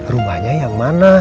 rumahnya yang mana